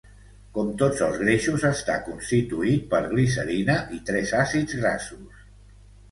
Com tots els greixos està constituït per glicerina i tres àcids grassos.